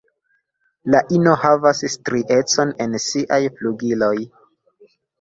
La ino havas striecon en siaj flugiloj.